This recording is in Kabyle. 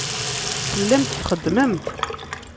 Tellamt txeddmemt.